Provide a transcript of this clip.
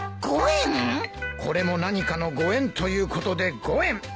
これも何かのご縁ということで５円！